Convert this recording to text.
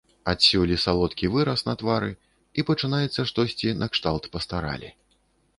Адсюль і салодкі выраз на твары, і пачынаецца штосьці, накшталт пастаралі.